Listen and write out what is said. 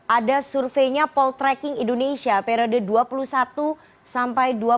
ada surveinya poltreking indonesia periode dua puluh satu sampai dua puluh dua